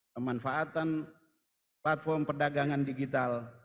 pemanfaatan platform perdagangan digital